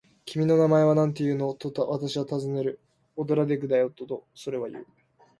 「君の名前はなんていうの？」と、私たちはたずねる。「オドラデクだよ」と、それはいう。